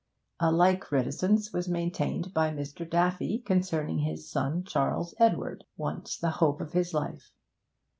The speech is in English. A like reticence was maintained by Mr. Daffy concerning his son Charles Edward, once the hope of his life.